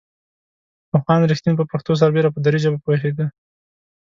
پوهاند رښتین پر پښتو سربېره په دري ژبه پوهېده.